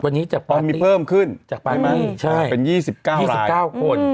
ตอนมีเพิ่มขึ้นไม่บ้างเป็น๒๙คน